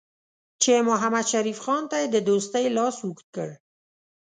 چې محمدشریف خان ته یې د دوستۍ لاس اوږد کړ.